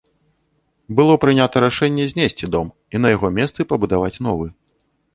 Было прынята рашэнне знесці дом і на яго месцы пабудаваць новы.